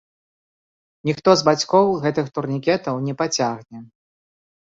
Ніхто з бацькоў гэтых турнікетаў не пацягне.